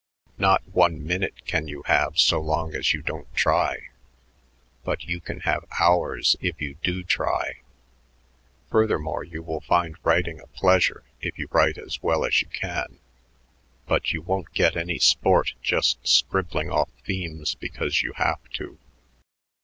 Not one minute can you have so long as you don't try, but you can have hours if you do try. Furthermore, you will find writing a pleasure if you write as well as you can, but you won't get any sport just scribbling off themes because you have to."